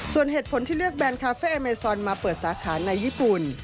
ส่วนเหตุผลที่เลือกแบรนดคาเฟ่อเมซอนมาเปิดสาขาในญี่ปุ่น